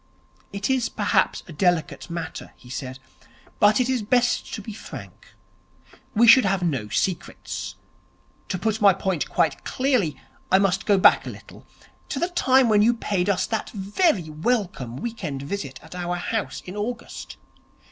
'It is perhaps a delicate matter,' he said, 'but it is best to be frank. We should have no secrets. To put my point quite clearly, I must go back a little, to the time when you paid us that very welcome week end visit at our house in August.'